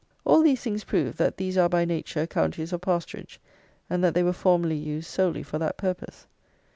All these things prove that these are by nature counties of pasturage, and that they were formerly used solely for that purpose.